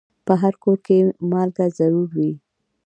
په هر کور کې مالګه ضرور وي.